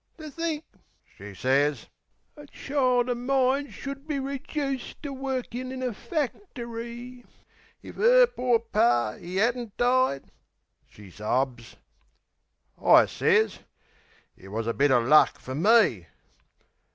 "To think," she sez, "a child o' mine should be Rejuiced to workin' in a factory! If 'er pore Par 'e 'adn't died," she sobs... I sez, "It wus a bit o' luck for me."